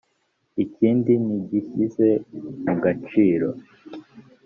ikindi ntigishyize mu gaciro